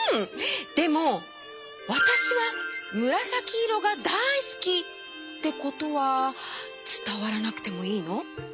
でも「わたしはむらさきいろがだいすき」ってことはつたわらなくてもいいの？